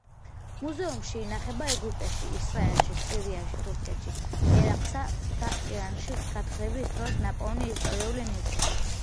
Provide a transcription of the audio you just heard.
მუზეუმში ინახება ეგვიპტეში, ისრაელში, სირიაში, თურქეთში, ერაყსა და ირანში გათხრების დროს ნაპოვნი ისტორიული ნივთები.